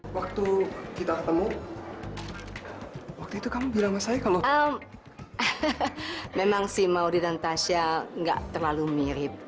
waktu kita ketemu waktu itu kamu bilang saya kalau memang sih maudie dan tasya enggak terlalu mirip